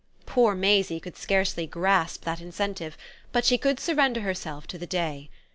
Poor Maisie could scarcely grasp that incentive, but she could surrender herself to the day.